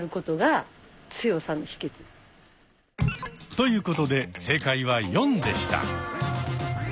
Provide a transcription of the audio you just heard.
ということで正解は「４」でした。